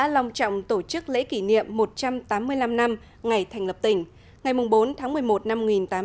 lòng trọng tổ chức lễ kỷ niệm một trăm tám mươi năm năm ngày thành lập tỉnh ngày bốn tháng một mươi một năm một nghìn tám trăm tám mươi